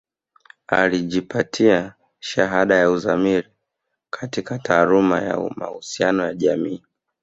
Alijipatia shahada ya uzamili katika taaluma ya mahusiano ya jamii